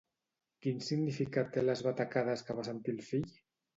Quin significat té les batacades que va sentir el fill?